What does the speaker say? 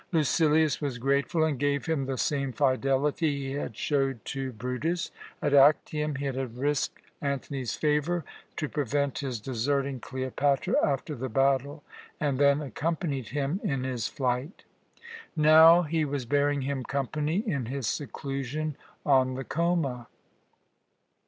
Lucilius was grateful, and gave him the same fidelity he had showed to Brutus. At Actium he had risked Antony's favour to prevent his deserting Cleopatra after the battle, and then accompanied him in his flight. Now he was bearing him company in his seclusion on the Choma.